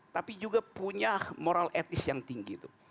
tapi juga punya moral etis yang tinggi itu